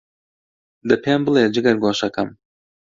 دە پێم بڵێ، جگەرگۆشەم،